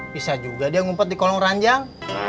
bisa juga dia ngumpet di kolong ranjang